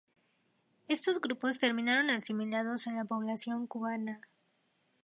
Estos grupos terminaron asimilados en la población cubana.